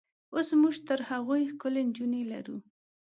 اوس موږ تر هغوی ښکلې نجونې لرو.